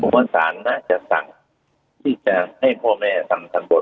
ผมว่าศาลน่าจะสั่งที่จะให้พ่อแม่ทำทันบน